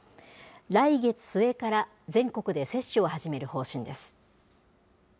来月末から、全国で接種を始める方針です。